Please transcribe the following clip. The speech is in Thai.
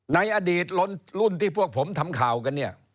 ในอดีตรุ่นที่พวกผมทำข่าวกันเนี่ย